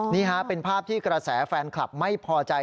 นี่ฮะเป็นภาพที่กระแสแฟนคลับไม่พอใจ